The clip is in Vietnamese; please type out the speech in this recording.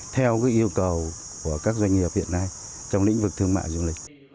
theo yêu cầu của các doanh nghiệp hiện nay trong lĩnh vực thương mại du lịch